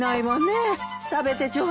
食べてちょうだい。